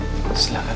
boleh mari ibu silakan